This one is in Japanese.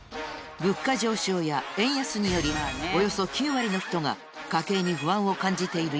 物価上昇や円安によりおよそ９割の人が家計に不安を感じている